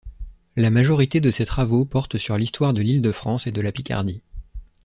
La majorité de ses travaux porte sur l'histoire de l'Île-de-France et de la Picardie.